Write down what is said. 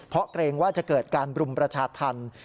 เพราะเกรงว่าจะเกิดการบรุมประชาธรรม